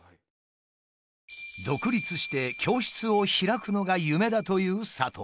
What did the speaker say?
独立して教室を開くのが夢だという佐藤さん。